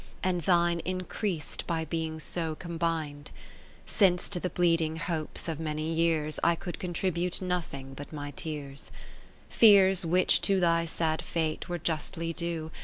And thine increas'd by being so combin'd, lo Since to the bleeding hopes of many years, I could contribute nothing but my tears ; Fears which to thy sad fate were justly due.